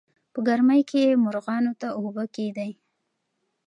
په ګرمۍ کې مارغانو ته اوبه کېږدئ.